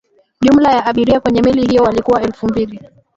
jumla ya abiria kwenye meli hiyo walikuwa elfu mbili